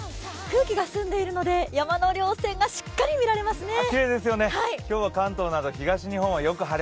空気が澄んでいるので山の稜線がしっかり見られますね。